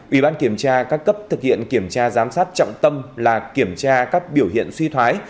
ủy ban kiểm tra các cấp thực hiện kiểm tra giám sát trọng tâm là kiểm tra các biểu hiện suy thoái